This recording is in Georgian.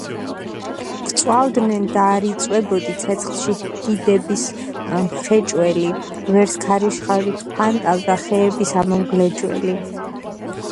გწვავდნენ და არ იწვებოდი ცეცხლში დიდების მხვეჭელი ვერს ქარიშხალი გფანტავდა ხეების ამომგვლეჯელი...